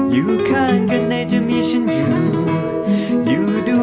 อยู่ด้วยกันไหนจะมีฉันอยู่